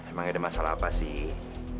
emang ada masalah apa sih